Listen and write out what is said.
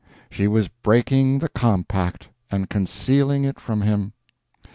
She was breaking the compact, and concealing it from him.